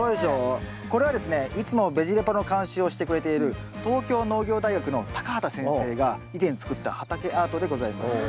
これはですねいつもベジ・レポの監修をしてくれている東京農業大学の畑先生が以前作った畑アートでございます。